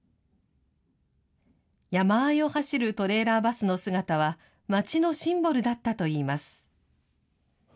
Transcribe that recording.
山あいを走るトレーラーバスの姿は、町のシンボルだったといいます。